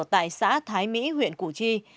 tại xã thái mỹ huyện củ chi